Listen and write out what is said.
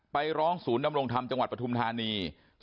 ไปร้องศูนย์ดำรงธรรมจังหวัดปฐุมธานี